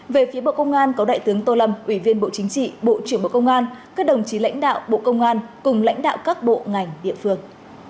về phía bộ công an có đại tướng tô lâm ủy viên bộ chính trị bộ trưởng bộ công an các đồng chí lãnh đạo bộ công an cùng lãnh đạo các bộ ngành địa phương